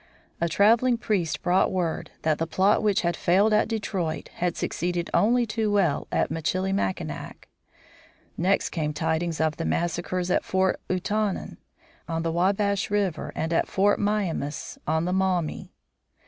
A traveling priest brought word that the plot which had failed at Detroit had succeeded only too well at Michillimackinac. Next came tidings of the massacres at Fort Ouatanon on the Wabash River and at Fort Miamis, on the Maumee.